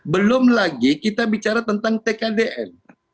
belum lagi kita bicara tentang tkdn